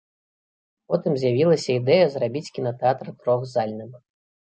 Потым з'явілася ідэя зрабіць кінатэатр трохзальным.